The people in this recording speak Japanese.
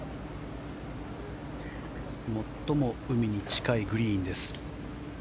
最も海に近いグリーンです。